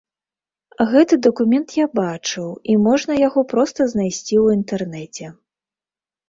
Гэты дакумент я бачыў і можна яго проста знайсці ў інтэрнэце.